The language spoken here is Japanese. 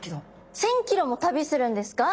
１，０００キロも旅するんですか？